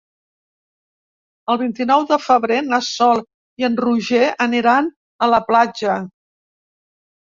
El vint-i-nou de febrer na Sol i en Roger aniran a la platja.